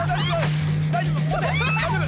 大丈夫。